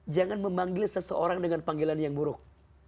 jangan memanggil seseorang dengan panggilan yang buruk